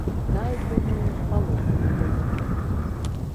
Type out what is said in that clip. Дай, думаю, спалохаю я яго.